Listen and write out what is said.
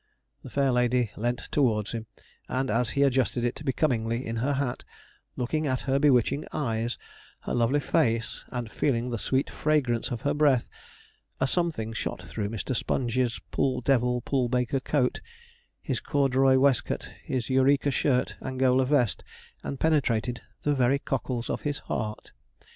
The fair lady leant towards him, and as he adjusted it becomingly in her hat, looking at her bewitching eyes, her lovely face, and feeling the sweet fragrance of her breath, a something shot through Mr. Sponge's pull devil, pull baker coat, his corduroy waistcoat, his Eureka shirt, Angola vest, and penetrated the very cockles of his heart.